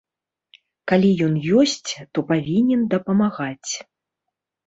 Калі ён ёсць, то павінен дапамагаць.